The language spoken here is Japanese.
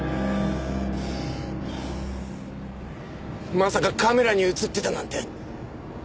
まさかカメラに映ってたなんて。